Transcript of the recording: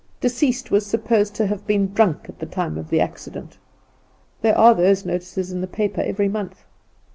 Deceased was supposed to have been drunk at the time of the accident.' There are those notices in the paper every month.